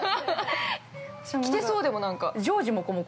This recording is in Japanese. ◆着てそう、でもなんか。